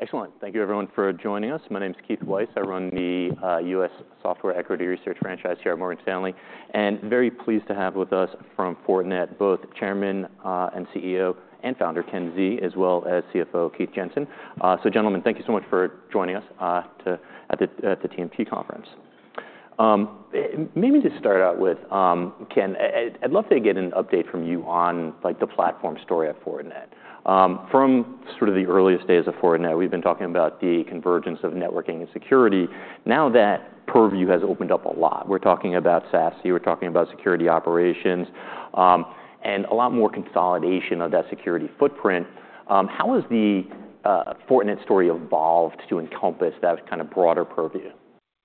Excellent. Thank you, everyone, for joining us. My name's Keith Weiss. I run the U.S. Software Equity Research franchise here at Morgan Stanley, and very pleased to have with us from Fortinet both Chairman, CEO, and Founder Ken Xie, as well as CFO Keith Jensen. So, gentlemen, thank you so much for joining us at the TMT conference. Maybe to start out with, Ken, I'd love to get an update from you on the platform story at Fortinet. From sort of the earliest days of Fortinet, we've been talking about the convergence of networking and security. Now that purview has opened up a lot, we're talking about SASE, we're talking about security operations, and a lot more consolidation of that security footprint. How has the Fortinet story evolved to encompass that kind of broader purview?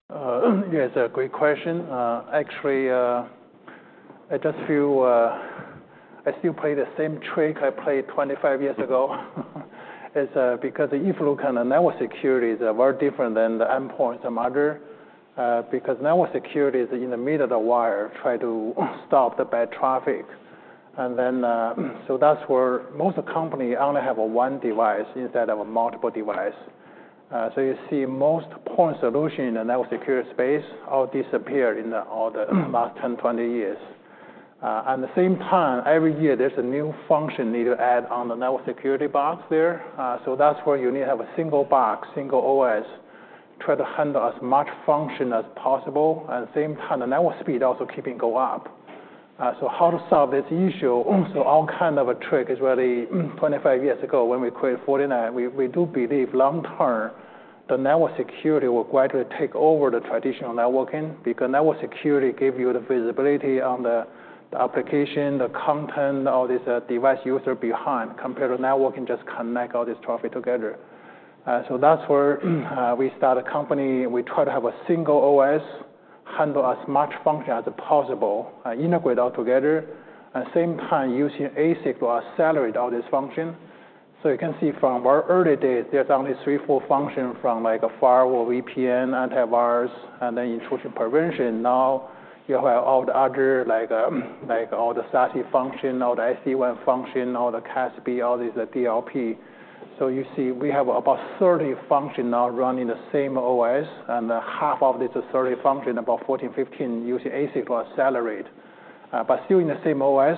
Yeah, it's a great question. Actually, I just feel I still play the same trick I played 25 years ago, because if you look at network security, it's very different than endpoint and modular, because network security is in the middle of the wire, trying to stop the bad traffic, and then so that's where most companies only have one device instead of multiple devices, so you see most point solutions in the network security space all disappeared in the last 10, 20 years. At the same time, every year there's a new function needed to add on the network security box there, so that's where you need to have a single box, single OS, try to handle as much function as possible. At the same time, the network speed also keeps going up, so how to solve this issue, so all kinds of tricks. It's really 25 years ago when we created Fortinet. We do believe long term the network security will gradually take over the traditional networking. Because network security gives you the visibility on the application, the content, all these device users behind, compared to networking just connecting all this traffic together. So that's where we started the company. We tried to have a single OS handle as much function as possible, integrate all together, and at the same time using ASIC to accelerate all this function. So you can see from our early days, there's only three, four functions from like a firewall, VPN, antivirus, and then intrusion prevention. Now you have all the other like all the SASE function, all the SD-WAN function, all the CASB, all these DLP. So you see we have about 30 functions now running the same OS. And half of these 30 functions, about 14, 15, using ASIC to accelerate. But still in the same OS,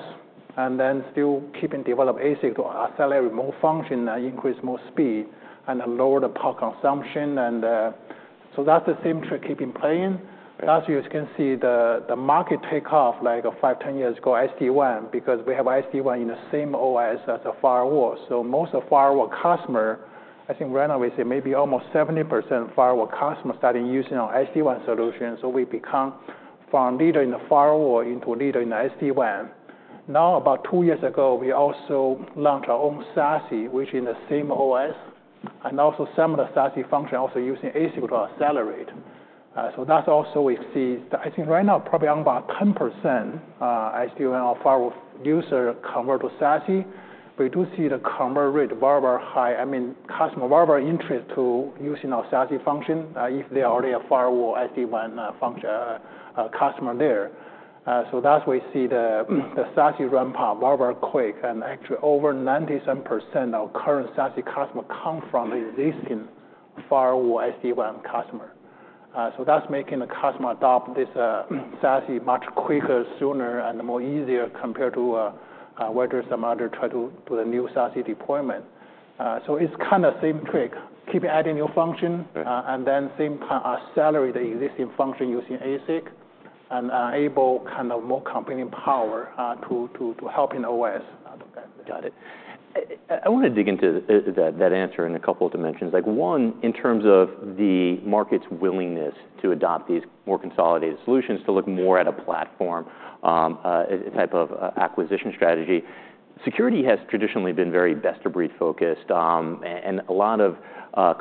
and then still keeping develop ASIC to accelerate more function and increase more speed and lower the power consumption. And so that's the same trick keeping playing. That's where you can see the market takeoff like 5, 10 years ago, SD-WAN, because we have SD-WAN in the same OS as a firewall. So most of the firewall customers, I think right now we say maybe almost 70% firewall customers starting using our SD-WAN solution. So we become from leader in the firewall into leader in the SD-WAN. Now about two years ago, we also launched our own SASE, which is in the same OS, and also similar SASE function also using ASIC to accelerate. So that's also we see. I think right now probably around about 10% SD-WAN or firewall users convert to SASE. But you do see the convert rate very, very high. I mean, customers are very, very interested in using our SASE function if they already have firewall SD-WAN customer there. So that's where you see the SASE runtime very, very quick. And actually over 97% of current SASE customers come from the existing firewall SD-WAN customer. So that's making the customer adopt this SASE much quicker, sooner, and more easier compared to whether some other try to do the new SASE deployment. So it's kind of the same trick. Keep adding new function, and then same kind of accelerate the existing function using ASIC and enable kind of more computing power to help in OS. Got it. I want to dig into that answer in a couple of dimensions. Like one, in terms of the market's willingness to adopt these more consolidated solutions to look more at a platform type of acquisition strategy. Security has traditionally been very best of breed focused, and a lot of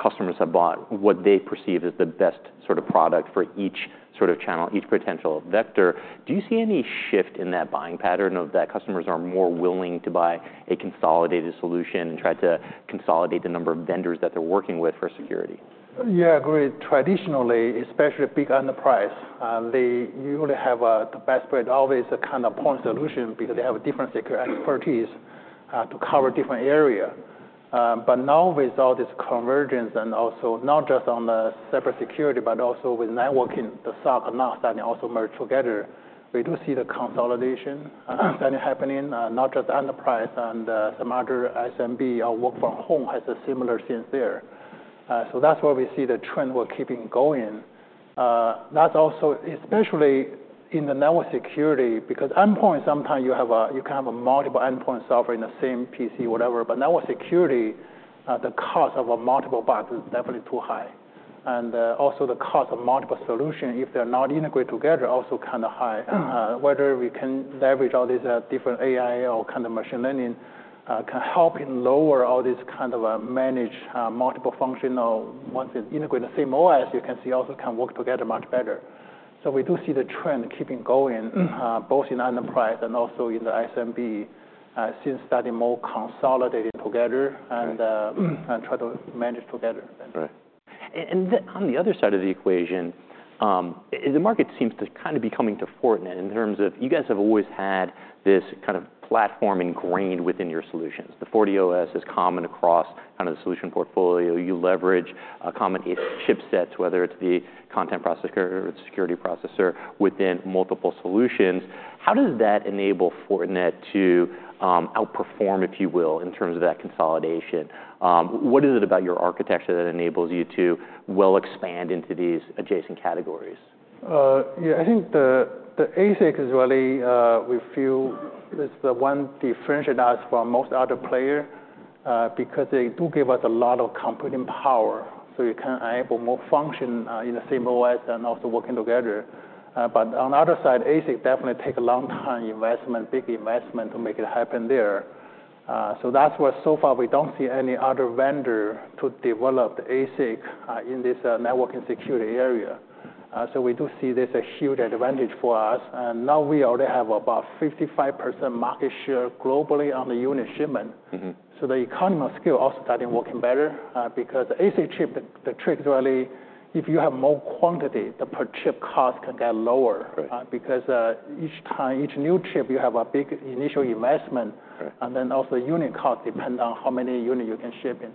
customers have bought what they perceive as the best sort of product for each sort of channel, each potential vector. Do you see any shift in that buying pattern, that customers are more willing to buy a consolidated solution and try to consolidate the number of vendors that they're working with for security? Yeah, I agree. Traditionally, especially big enterprise, they usually have the best of breed, always a kind of point solution because they have different security expertise to cover different areas, but now with all this convergence and also not just on the cybersecurity, but also with networking, the SOC and NOC starting also merged together, we do see the consolidation starting happening, not just enterprise, and some other SMB or work from home has a similar sense there, so that's where we see the trend we're keeping going. That's also especially in the network security because endpoint sometimes you can have multiple endpoint software in the same PC, whatever. But network security, the cost of multiple boxes is definitely too high, and also the cost of multiple solutions, if they're not integrated together, also kind of high. Whether we can leverage all these different AI or kind of machine learning can help in lower all this kind of manage multiple functional. Once it's integrated in the same OS, you can see also can work together much better. So we do see the trend keeping going both in enterprise and also in the SMB since starting more consolidating together and try to manage together. Right. And on the other side of the equation, the market seems to kind of be coming to Fortinet in terms of you guys have always had this kind of platform ingrained within your solutions. The FortiOS is common across kind of the solution portfolio. You leverage common chipsets, whether it's the content processor or the security processor within multiple solutions. How does that enable Fortinet to outperform, if you will, in terms of that consolidation? What is it about your architecture that enables you to, well, expand into these adjacent categories? Yeah, I think the ASIC is really we feel it's the one differentiates us from most other players because they do give us a lot of computing power. So you can enable more function in the same OS and also working together. But on the other side, ASIC definitely takes a long time investment, big investment to make it happen there. So that's why so far we don't see any other vendor to develop the ASIC in this networking security area. So we do see this as a huge advantage for us. And now we already have about 55% market share globally on the unit shipment. So the economy of scale also starting working better because the ASIC chip, the trick is really if you have more quantity, the per chip cost can get lower. Because each time each new chip, you have a big initial investment. And then also unit cost depends on how many units you can ship in.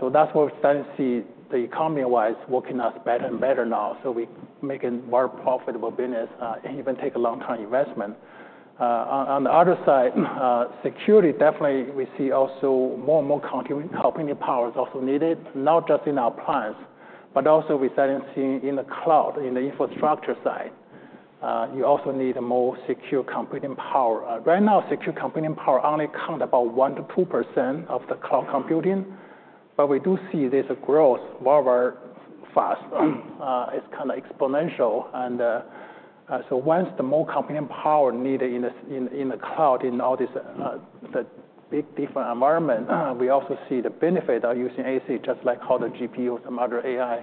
So that's where we're starting to see the economy-wise working out better and better now. So we're making very profitable business and even take a long-term investment. On the other side, security definitely we see also more and more computing power is also needed, not just in our plants, but also we're starting to see in the cloud, in the infrastructure side. You also need more secure computing power. Right now, secure computing power only accounts for about 1%-2% of the cloud computing. But we do see this growth very, very fast. It's kind of exponential. And so once the more computing power needed in the cloud in all this big different environment, we also see the benefit of using ASIC, just like how the GPUs and other AI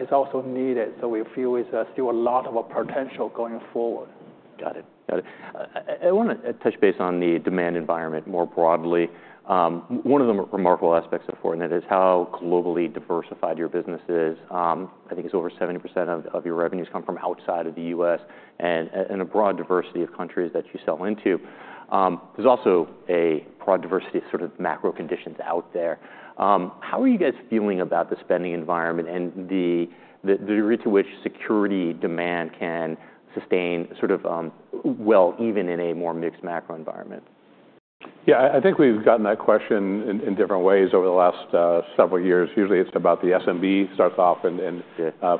is also needed. We feel it's still a lot of potential going forward. Got it. I want to touch base on the demand environment more broadly. One of the remarkable aspects of Fortinet is how globally diversified your business is. I think it's over 70% of your revenues come from outside of the U.S. and a broad diversity of countries that you sell into. There's also a broad diversity of sort of macro conditions out there. How are you guys feeling about the spending environment and the degree to which security demand can sustain sort of well even in a more mixed macro environment? Yeah, I think we've gotten that question in different ways over the last several years. Usually it's about the SMB starts off. And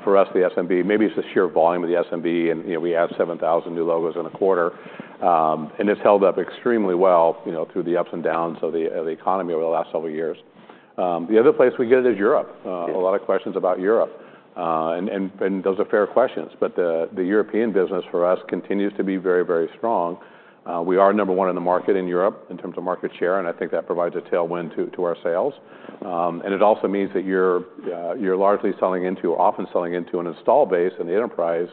for us, the SMB, maybe it's the sheer volume of the SMB. And we add 7,000 new logos in a quarter. And it's held up extremely well through the ups and downs of the economy over the last several years. The other place we get it is Europe. A lot of questions about Europe. And those are fair questions. But the European business for us continues to be very, very strong. We are number one in the market in Europe in terms of market share. And I think that provides a tailwind to our sales. And it also means that you're largely selling into, often selling into an install base in the enterprise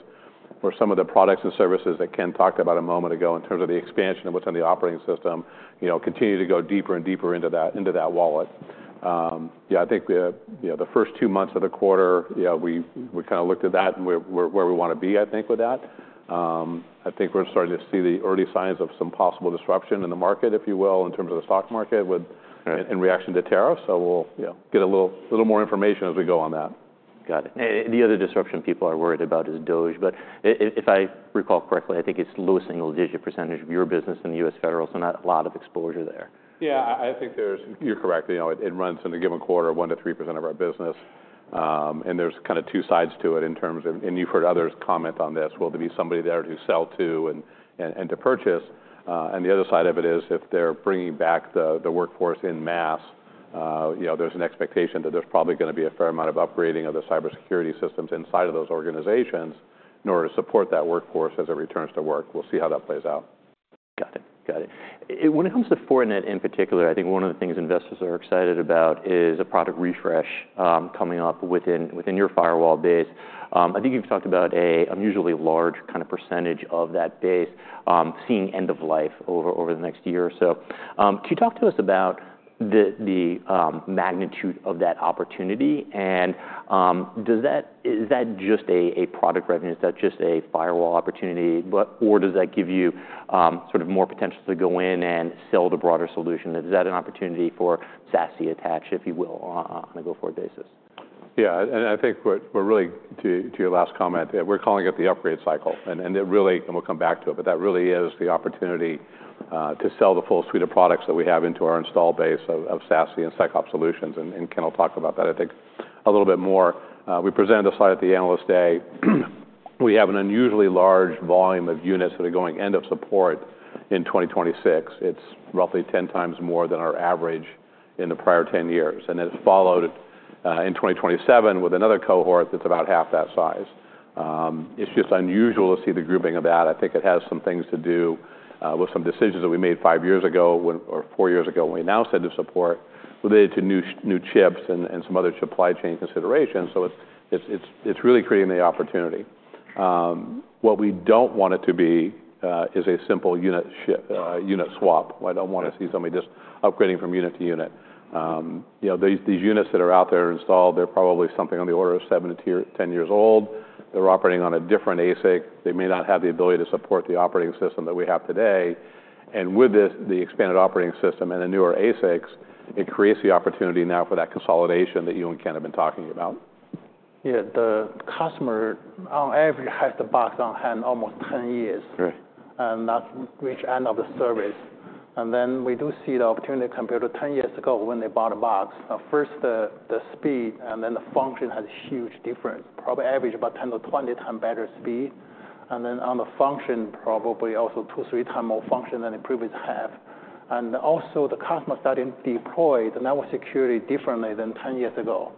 where some of the products and services that Ken talked about a moment ago in terms of the expansion of what's in the operating system continue to go deeper and deeper into that wallet. Yeah, I think the first two months of the quarter, we kind of looked at that and where we want to be, I think, with that. I think we're starting to see the early signs of some possible disruption in the market, if you will, in terms of the stock market in reaction to tariffs. So we'll get a little more information as we go on that. Got it. The other disruption people are worried about is DOGE. But if I recall correctly, I think it's low single-digit % of your business in the U.S. federal. So not a lot of exposure there. Yeah, I think you're correct. It runs in a given quarter 1%-3% of our business. And there's kind of two sides to it in terms of and you've heard others comment on this. Will there be somebody there to sell to and to purchase? And the other side of it is if they're bringing back the workforce en masse, there's an expectation that there's probably going to be a fair amount of upgrading of the cybersecurity systems inside of those organizations in order to support that workforce as it returns to work. We'll see how that plays out. Got it. Got it. When it comes to Fortinet in particular, I think one of the things investors are excited about is a product refresh coming up within your firewall base. I think you've talked about an unusually large kind of percentage of that base seeing end of life over the next year or so. Can you talk to us about the magnitude of that opportunity? And is that just a product revenue? Is that just a firewall opportunity? Or does that give you sort of more potential to go in and sell the broader solution? Is that an opportunity for SASE attached, if you will, on a go-forward basis? Yeah. And I think, relating to your last comment, we're calling it the upgrade cycle. And it really, and we'll come back to it, but that really is the opportunity to sell the full suite of products that we have into our install base of SASE and SecOps solutions. And Ken will talk about that, I think, a little bit more. We presented a slide at the Analyst Day. We have an unusually large volume of units that are going end of support in 2026. It's roughly 10 times more than our average in the prior 10 years. And then it's followed in 2027 with another cohort that's about half that size. It's just unusual to see the grouping of that. I think it has some things to do with some decisions that we made five years ago or four years ago when we announced end of support related to new chips and some other supply chain considerations. So it's really creating the opportunity. What we don't want it to be is a simple unit swap. I don't want to see somebody just upgrading from unit to unit. These units that are out there installed, they're probably something on the order of 7 to 10 years old. They're operating on a different ASIC. They may not have the ability to support the operating system that we have today. And with this, the expanded operating system and the newer ASICs, it creates the opportunity now for that consolidation that you and Ken have been talking about. Yeah, the customer on average has the box on hand almost 10 years. And that's reached end of the service. And then we do see the opportunity compared to 10 years ago when they bought a box. First, the speed and then the function has a huge difference. Probably average about 10-20 times better speed. And then on the function, probably also two, three times more function than they previously have. And also the customer starting to deploy the network security differently than 10 years ago.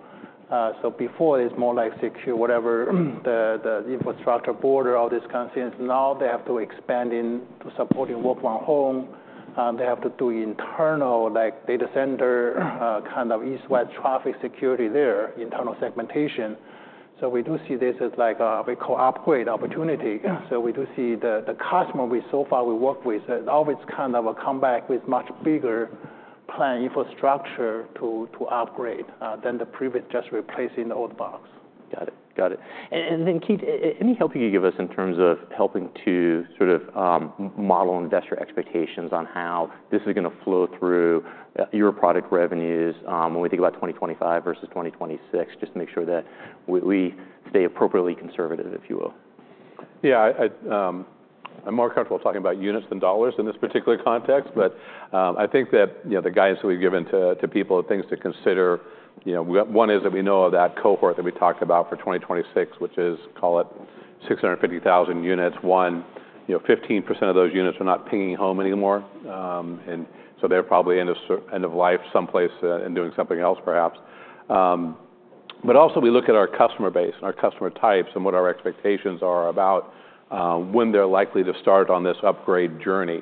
So before it's more like secure whatever the infrastructure border, all these kind of things. Now they have to expand into supporting work from home. They have to do internal data center kind of East-West traffic security there, internal segmentation. So we do see this as like a we call upgrade opportunity. We do see the customer we so far work with always kind of come back with much bigger planned infrastructure to upgrade than previously just replacing the old box. Got it. And then Keith, any help you can give us in terms of helping to sort of model investor expectations on how this is going to flow through your product revenues when we think about 2025 versus 2026, just to make sure that we stay appropriately conservative, if you will? Yeah, I'm more comfortable talking about units than dollars in this particular context. But I think that the guidance that we've given to people, things to consider, one is that we know of that cohort that we talked about for 2026, which is call it 650,000 units. One, 15% of those units are not pinging home anymore. And so they're probably end of life someplace and doing something else perhaps. But also we look at our customer base and our customer types and what our expectations are about when they're likely to start on this upgrade journey.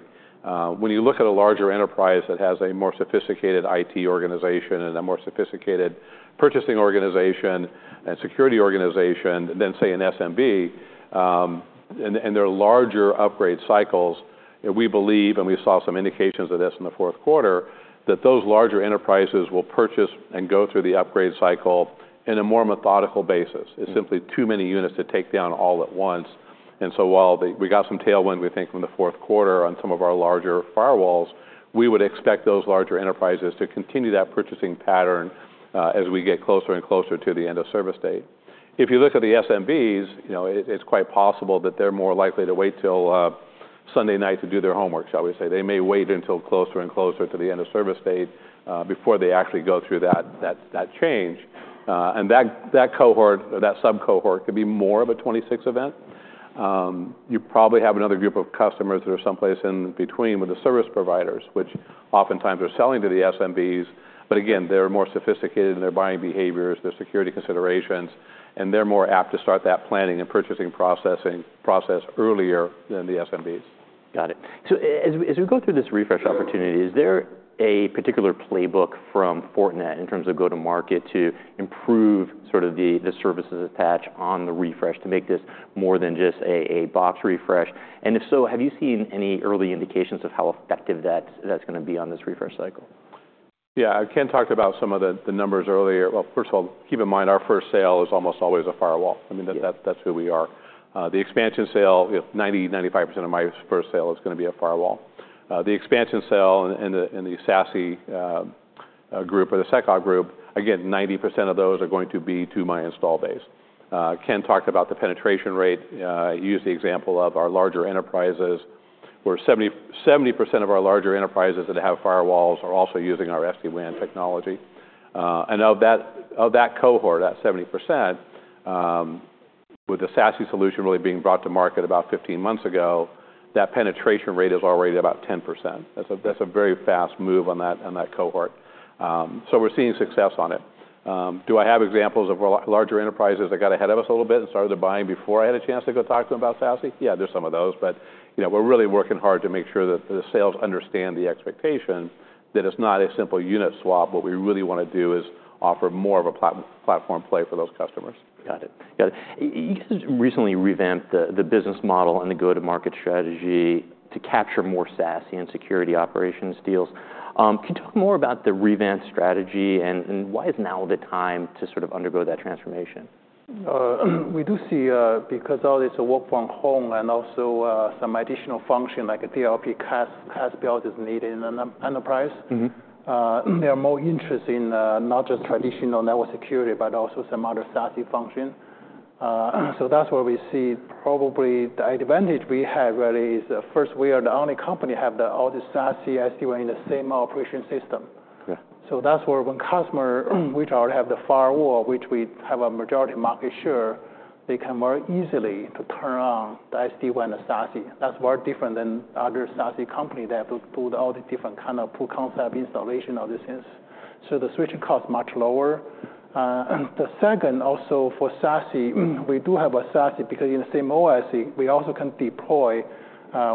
When you look at a larger enterprise that has a more sophisticated IT organization and a more sophisticated purchasing organization and security organization, than say an SMB, and there are larger upgrade cycles, we believe, and we saw some indications of this in the fourth quarter, that those larger enterprises will purchase and go through the upgrade cycle in a more methodical basis. It's simply too many units to take down all at once, and so while we got some tailwind, we think from the fourth quarter on some of our larger firewalls, we would expect those larger enterprises to continue that purchasing pattern as we get closer and closer to the end of service date. If you look at the SMBs, it's quite possible that they're more likely to wait till Sunday night to do their homework, shall we say. They may wait until closer and closer to the end of service date before they actually go through that change. And that cohort or that sub-cohort could be more of a 26 event. You probably have another group of customers that are someplace in between with the service providers, which oftentimes are selling to the SMBs. But again, they're more sophisticated in their buying behaviors, their security considerations. And they're more apt to start that planning and purchasing process earlier than the SMBs. Got it. So as we go through this refresh opportunity, is there a particular playbook from Fortinet in terms of go-to-market to improve sort of the services attached on the refresh to make this more than just a box refresh? And if so, have you seen any early indications of how effective that's going to be on this refresh cycle? Yeah, Ken talked about some of the numbers earlier. Well, first of all, keep in mind our first sale is almost always a firewall. I mean, that's who we are. The expansion sale, 90%-95% of my first sale is going to be a firewall. The expansion sale and the SASE group or the SecOps group, again, 90% of those are going to be to my install base. Ken talked about the penetration rate. He used the example of our larger enterprises. We're 70% of our larger enterprises that have firewalls are also using our SD-WAN technology. And of that cohort, that 70%, with the SASE solution really being brought to market about 15 months ago, that penetration rate is already about 10%. That's a very fast move on that cohort. So we're seeing success on it. Do I have examples of larger enterprises that got ahead of us a little bit and started buying before I had a chance to go talk to them about SASE? Yeah, there's some of those. But we're really working hard to make sure that the sales understand the expectation that it's not a simple unit swap. What we really want to do is offer more of a platform play for those customers. Got it. Got it. You guys recently revamped the business model and the go-to-market strategy to capture more SASE and security operations deals. Can you talk more about the revamped strategy and why is now the time to sort of undergo that transformation? We do see, because of this work from home and also some additional function like a DLP, CASB build is needed in an enterprise. There are more interests in not just traditional network security, but also some other SASE function. So that's where we see probably the advantage we have really is first, we are the only company that have all the SASE SD-WAN in the same operation system. So that's where when customers which already have the firewall, which we have a majority market share, they can very easily turn on the SD-WAN and SASE. That's very different than other SASE companies that have to do all the different kind of Pool concept installation of these things. So the switching costs are much lower. The second, also for SASE, we do have a SASE because in the same OS we also can deploy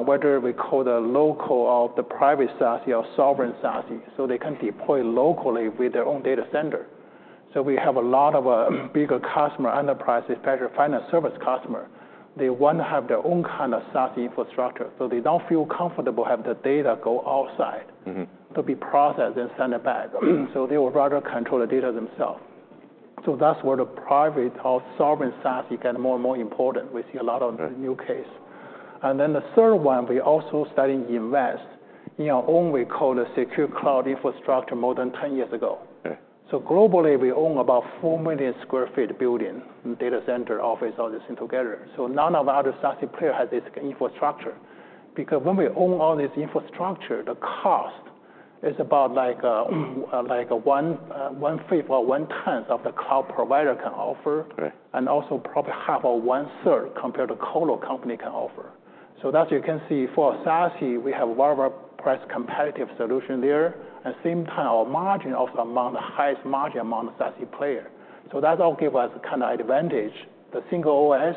whether we call the local or the private SASE or sovereign SASE. So they can deploy locally with their own data center. So we have a lot of bigger customer enterprises, especially financial services customers. They want to have their own kind of SASE infrastructure. So they don't feel comfortable having the data go outside to be processed and sent back. So they would rather control the data themselves. So that's where the private or sovereign SASE got more and more important. We see a lot of new cases. And then the third one, we also starting to invest in our own we call the secure cloud infrastructure more than 10 years ago. So globally, we own about 4 million sq ft building and data center office all these things together. So none of our other SASE players has this infrastructure. Because when we own all this infrastructure, the cost is about like one fifth or one tenth of the cloud provider can offer. And also probably half or one third compared to colo company can offer. So that's what you can see for SASE, we have a very, very price competitive solution there. And same time our margin also among the highest margin among the SASE players. So that all give us kind of advantage. The single OS,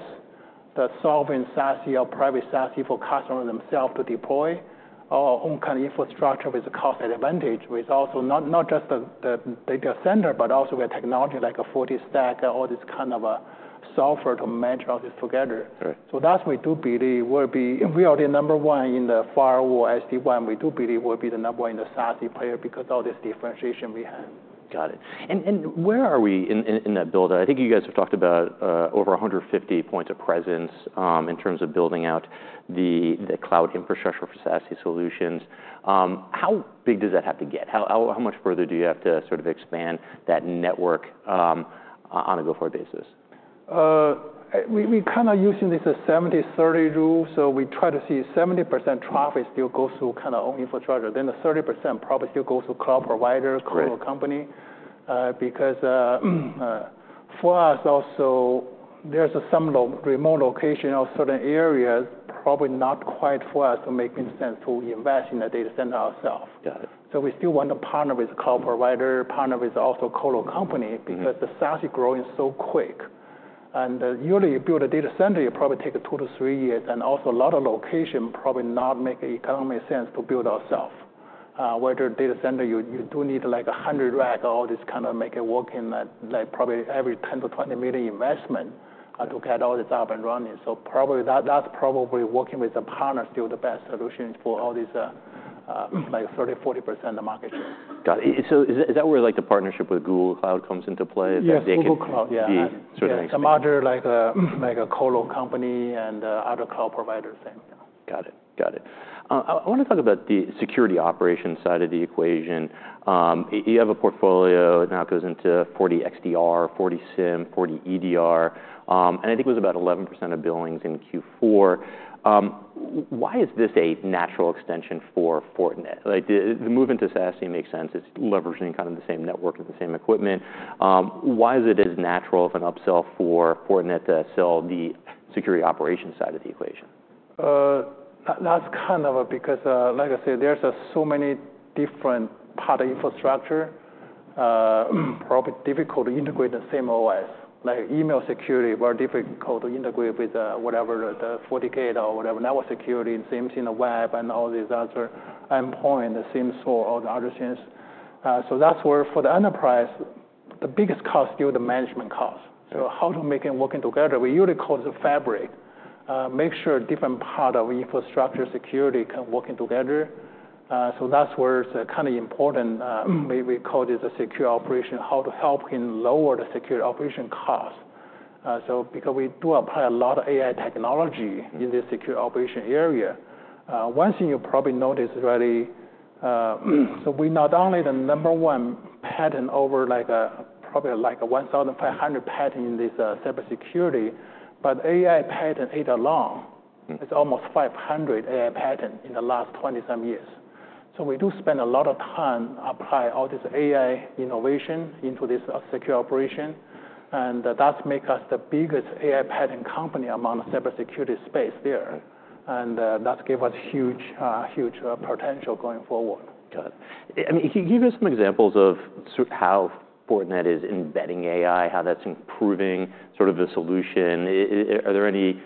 the sovereign SASE or private SASE for customers themselves to deploy or own kind of infrastructure with a cost advantage with also not just the data center, but also with technology like a FortiStack or this kind of software to manage all this together. So that's what we do believe will be we are the number one in the firewall SD-WAN. We do believe we'll be the number one in the SASE player because of all this differentiation we have. Got it. And where are we in that build? I think you guys have talked about over 150 points of presence in terms of building out the cloud infrastructure for SASE solutions. How big does that have to get? How much further do you have to sort of expand that network on a go-forward basis? We kind of using this 70-30 rule, so we try to see 70% traffic still goes through kind of own infrastructure, then the 30% probably still goes to cloud provider, colo company. Because for us also, there's some remote location or certain areas probably not quite for us to make sense to invest in a data center ourselves, so we still want to partner with a cloud provider, partner with also colo company because the SASE growing so quick. Usually you build a data center, you probably take two to three years, and also a lot of location probably not make economic sense to build ourselves. Whether data center, you do need like 100 racks or all this kind of make it work in like probably every $10-$20 million investment to get all this up and running. Probably that's working with a partner still the best solution for all this like 30%-40% of market share. Got it. So is that where like the partnership with Google Cloud comes into play? Yes, Google Cloud, yeah. Sort of things. It's a merger like a co-lo company and other cloud providers thing. Got it. Got it. I want to talk about the security operation side of the equation. You have a portfolio that now goes into FortiXDR, FortiSIEM, FortiEDR. And I think it was about 11% of billings in Q4. Why is this a natural extension for Fortinet? The move into SASE makes sense. It's leveraging kind of the same network and the same equipment. Why is it as natural of an upsell for Fortinet to sell the security operation side of the equation? That's kind of because, like I said, there's so many different part of infrastructure. Probably difficult to integrate the same OS. Like email security, very difficult to integrate with whatever the FortiGate or whatever network security and same thing in the web and all these other endpoint, the same sort of other things. So that's where for the enterprise, the biggest cost is still the management cost. So how to make it working together, we usually call it a fabric. Make sure different part of infrastructure security can working together. So that's where it's kind of important. We call it the SecOps, how to help him lower the SecOps cost. So because we do apply a lot of AI technology in this SecOps area. One thing you probably notice is really so we not only the number one patent over like probably like 1,500 patents in this cybersecurity, but AI patents as well. It's almost 500 AI patents in the last 20-some years. So we do spend a lot of time applying all this AI innovation into this secure operation. And that's make us the biggest AI patent company among the cybersecurity space there. And that's give us huge, huge potential going forward. Got it. I mean, can you give us some examples of sort of how Fortinet is embedding AI, how that's improving sort of the solution? Are there any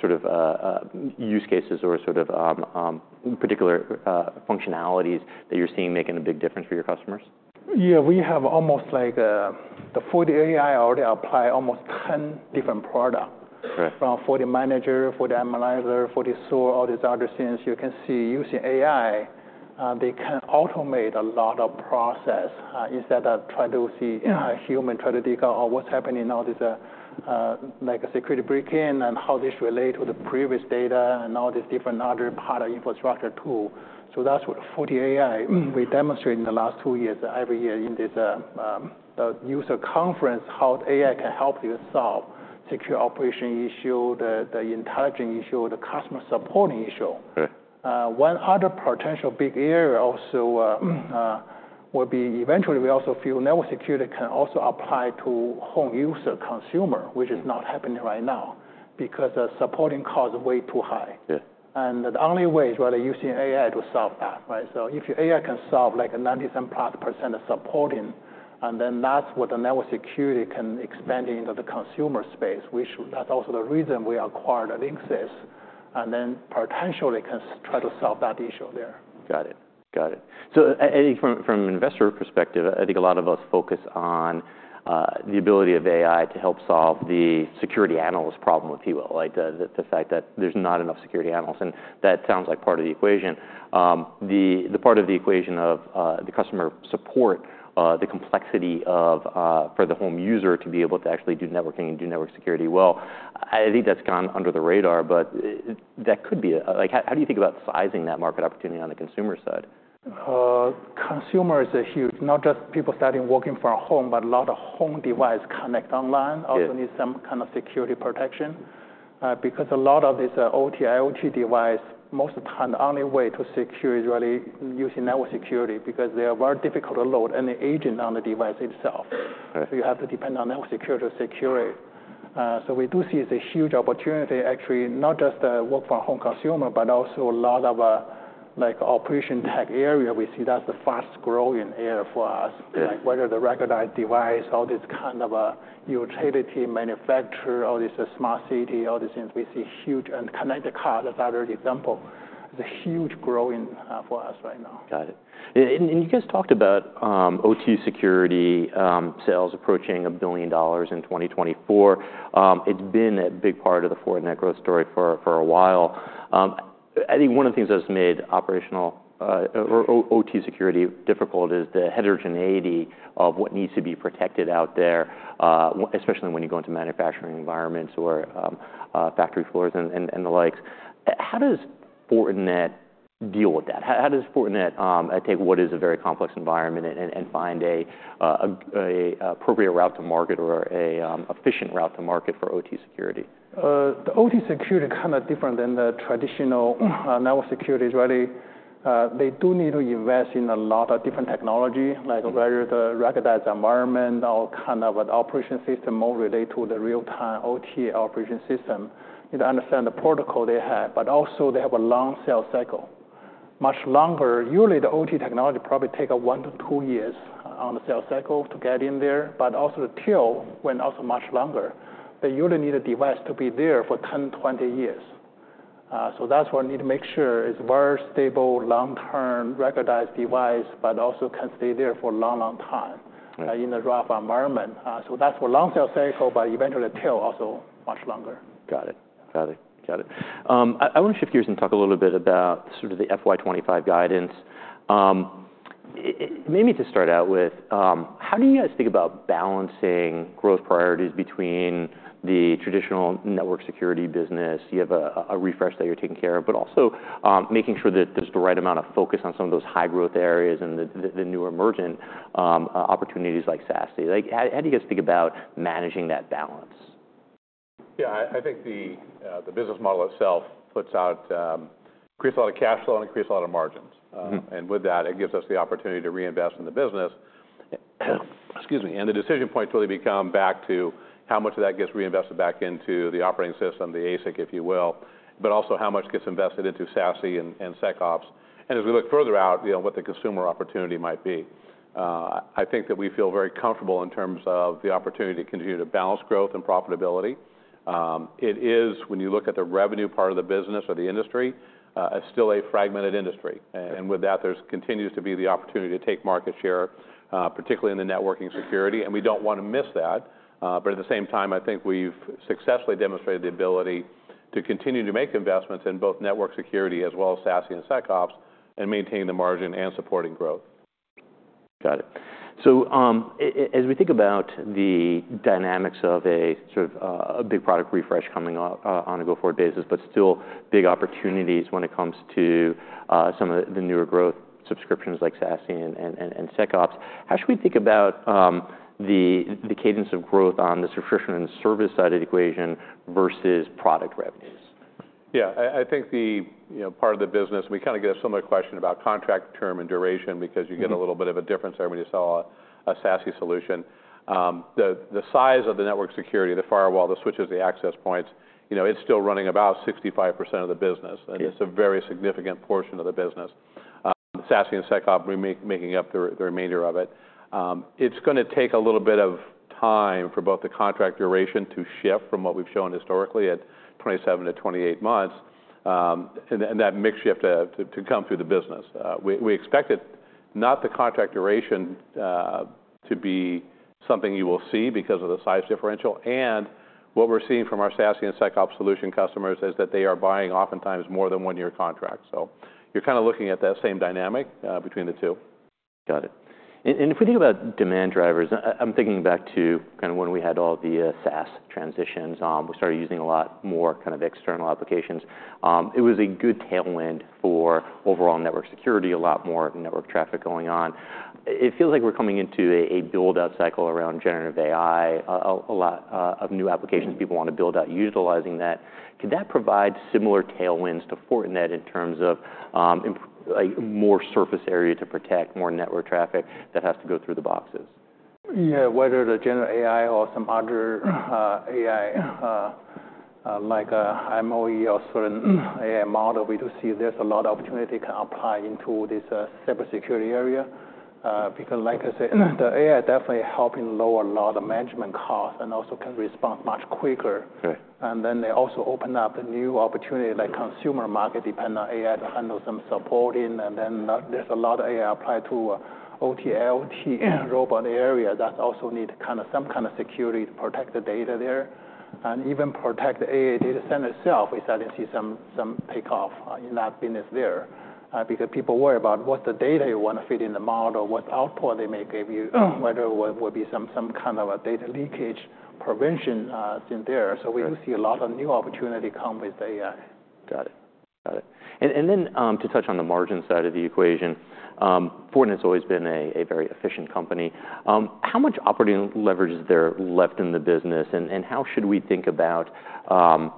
sort of use cases or sort of particular functionalities that you're seeing making a big difference for your customers? Yeah, we have almost like the FortiAI already apply almost 10 different products from FortiManager, FortiAnalyzer, FortiSOAR, all these other things. You can see using AI, they can automate a lot of process instead of try to see a human try to dig out what's happening now, like a security break-in and how this relate to the previous data and all these different other part of infrastructure tool. So that's what FortiAI, we demonstrate in the last two years, every year in this user conference, how AI can help you solve secure operation issue, the intelligent issue, the customer supporting issue. One other potential big area also will be eventually we also feel network security can also apply to home user consumer, which is not happening right now because supporting costs way too high. And the only way is really using AI to solve that, right? So if your AI can solve like 97-plus% of supporting, and then that's what the network security can expand into the consumer space, which that's also the reason we acquired Linksys and then potentially can try to solve that issue there. Got it. Got it. So I think from an investor perspective, I think a lot of us focus on the ability of AI to help solve the security analyst problem with people, like the fact that there's not enough security analysts. And that sounds like part of the equation. The part of the equation of the customer support, the complexity for the home user to be able to actually do networking and do network security well, I think that's gone under the radar, but that could be like how do you think about sizing that market opportunity on the consumer side? Consumer is a huge, not just people starting working from home, but a lot of home device connect online also need some kind of security protection. Because a lot of these OT, IoT device, most of the time the only way to secure is really using network security because they are very difficult to load any agent on the device itself. So you have to depend on network security to secure it. So we do see it's a huge opportunity actually, not just work from home consumer, but also a lot of like operational tech area. We see that's the fast growing area for us. Like whether the ruggedized device, all this kind of utility manufacturer, all this smart city, all these things, we see huge and connected car, that's another example. It's a huge growing for us right now. Got it. And you guys talked about OT security sales approaching $1 billion in 2024. It's been a big part of the Fortinet growth story for a while. I think one of the things that's made operational or OT security difficult is the heterogeneity of what needs to be protected out there, especially when you go into manufacturing environments or factory floors and the likes. How does Fortinet deal with that? How does Fortinet take what is a very complex environment and find an appropriate route to market or an efficient route to market for OT security? The OT security kind of different than the traditional network security is really they do need to invest in a lot of different technology, like whether the ruggedized environment or kind of an operating system more related to the real-time OT operating system. You understand the protocol they have, but also they have a long sales cycle. Much longer, usually the OT technology probably take one to two years on the sales cycle to get in there. But also the tail end also much longer. They usually need a device to be there for 10, 20 years. So that's where we need to make sure it's very stable, long-term ruggedized device, but also can stay there for a long, long time in the rough environment. So that's for long sales cycle, but eventually tail also much longer. Got it. Got it. Got it. I want to shift gears and talk a little bit about sort of the FY25 guidance. Maybe to start out with, how do you guys think about balancing growth priorities between the traditional network security business? You have a refresh that you're taking care of, but also making sure that there's the right amount of focus on some of those high growth areas and the new emergent opportunities like SASE. How do you guys think about managing that balance? Yeah, I think the business model itself creates a lot of cash flow and creates a lot of margins. And with that, it gives us the opportunity to reinvest in the business. Excuse me. And the decision points really become back to how much of that gets reinvested back into the operating system, the ASIC, if you will, but also how much gets invested into SASE and SecOps. And as we look further out, what the consumer opportunity might be. I think that we feel very comfortable in terms of the opportunity to continue to balance growth and profitability. It is, when you look at the revenue part of the business or the industry, still a fragmented industry. And with that, there continues to be the opportunity to take market share, particularly in the network security. And we don't want to miss that. But at the same time, I think we've successfully demonstrated the ability to continue to make investments in both network security as well as SASE and SecOps and maintain the margin and supporting growth. Got it. So as we think about the dynamics of a sort of a big product refresh coming on a go-forward basis, but still big opportunities when it comes to some of the newer growth subscriptions like SASE and SecOps, how should we think about the cadence of growth on the subscription and service side of the equation versus product revenues? Yeah, I think the part of the business, we kind of get a similar question about contract term and duration because you get a little bit of a difference every time you sell a SASE solution. The size of the network security, the firewall, the switches, the access points, it's still running about 65% of the business. And it's a very significant portion of the business. SASE and SecOps making up the remainder of it. It's going to take a little bit of time for both the contract duration to shift from what we've shown historically at 27-28 months and that mix shift to come through the business. We expect not the contract duration to be something you will see because of the size differential. And what we're seeing from our SASE and SecOps solution customers is that they are buying oftentimes more than one year contracts. So you're kind of looking at that same dynamic between the two. Got it. And if we think about demand drivers, I'm thinking back to kind of when we had all the SaaS transitions. We started using a lot more kind of external applications. It was a good tailwind for overall network security, a lot more network traffic going on. It feels like we're coming into a build-out cycle around generative AI, a lot of new applications people want to build out utilizing that. Could that provide similar tailwinds to Fortinet in terms of more surface area to protect, more network traffic that has to go through the boxes? Yeah, whether the General AI or some other AI like MOE or certain AI model, we do see there's a lot of opportunity can apply into this cybersecurity area. Because like I said, the AI definitely helping lower a lot of management costs and also can respond much quicker. And then they also open up the new opportunity like consumer market dependent AI to handle some supporting. And then there's a lot of AI applied to OT, LT robot area. That's also need kind of some kind of security to protect the data there. And even protect the AI data center itself, we started to see some takeoff in that business there because people worry about what's the data you want to fit in the model, what output they may give you, whether it will be some kind of a data leakage prevention thing there. We do see a lot of new opportunity come with AI. Got it. Got it. And then to touch on the margin side of the equation, Fortinet has always been a very efficient company. How much operating leverage is there left in the business? And how should we think about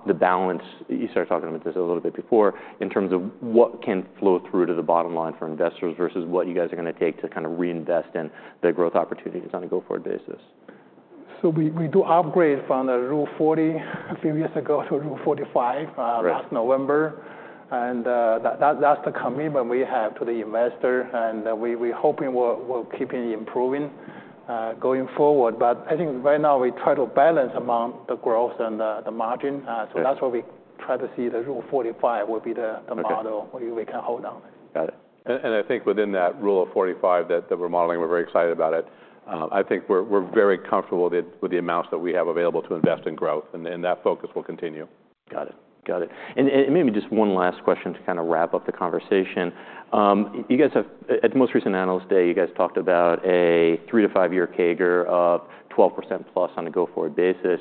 the balance? You started talking about this a little bit before in terms of what can flow through to the bottom line for investors versus what you guys are going to take to kind of reinvest in the growth opportunities on a go-forward basis? So we do upgrade from the Rule of 40 a few years ago to Rule of 45 last November. And that's the commitment we have to the investor. And we're hoping we're keeping improving going forward. But I think right now we try to balance among the growth and the margin. So that's why we try to see the Rule of 45 will be the model we can hold on. Got it. And I think within that Rule of 45 that we're modeling, we're very excited about it. I think we're very comfortable with the amounts that we have available to invest in growth. And that focus will continue. Got it. Got it. And maybe just one last question to kind of wrap up the conversation. You guys have at the most recent analyst day, you guys talked about a three to five year CAGR of 12% plus on a go-forward basis.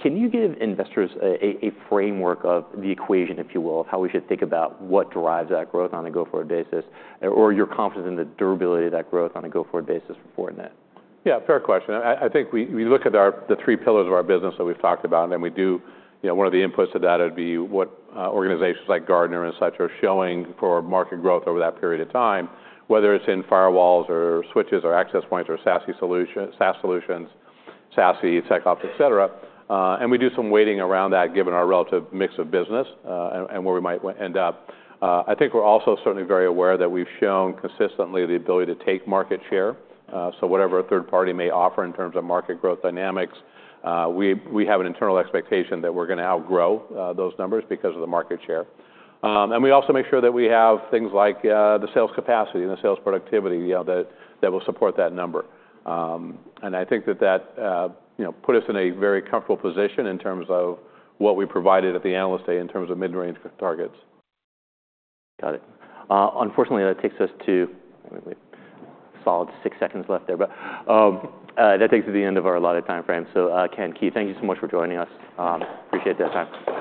Can you give investors a framework of the equation, if you will, of how we should think about what drives that growth on a go-forward basis or your confidence in the durability of that growth on a go-forward basis for Fortinet? Yeah, fair question. I think we look at the three pillars of our business that we've talked about. And we do one of the inputs to that would be what organizations like Gartner and such are showing for market growth over that period of time, whether it's in firewalls or switches or access points or SASE solutions, SASE, SecOps, et cetera. And we do some weighting around that given our relative mix of business and where we might end up. I think we're also certainly very aware that we've shown consistently the ability to take market share. So whatever a third party may offer in terms of market growth dynamics, we have an internal expectation that we're going to outgrow those numbers because of the market share. And we also make sure that we have things like the sales capacity and the sales productivity that will support that number. I think that put us in a very comfortable position in terms of what we provided at the Analyst Day in terms of mid-range targets. Got it. Unfortunately, that takes us to solid six seconds left there, but that takes us to the end of our allotted time frame. So Ken, Keith, thank you so much for joining us. Appreciate that time.